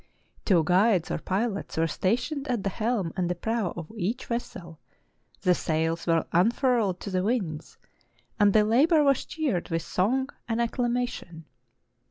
Two guides or pilots were stationed at the helm and the prow of each vessel : the sails were un furled to the winds ; and the labor was cheered with song and acclamation.